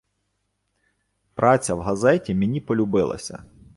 Праця в газеті мені полюбилася